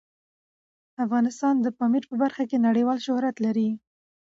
افغانستان د پامیر په برخه کې نړیوال شهرت لري.